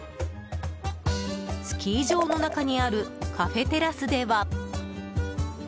スキー場の中にあるカフェテラスでは。